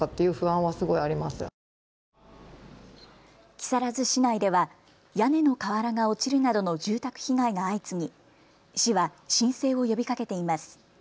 木更津市内では屋根の瓦が落ちるなどの住宅被害が相次ぎ市は申請を呼びかけています。